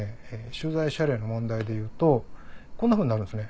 取材謝礼の問題でいうとこんなふうになるんですね。